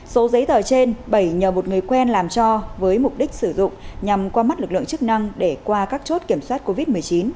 số giấy tờ trên bảy nhờ một người quen làm cho với mục đích sử dụng nhằm qua mắt lực lượng chức năng để qua các chốt kiểm soát covid một mươi chín